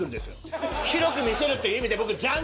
広く見せるっていう意味で僕。